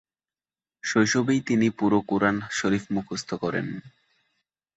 শৈশবেই তিনি পুরো কুরআন শরিফ মুখস্থ করেন।